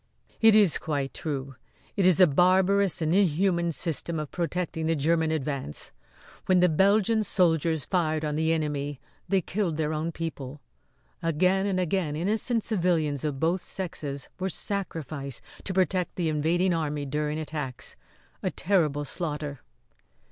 "It is quite true. It is a barbarous and inhuman system of protecting the German advance. When the Belgian soldiers fired on the enemy they killed their own people. Again and again innocent civilians of both sexes were sacrificed to protect the invading army during attacks. A terrible slaughter!"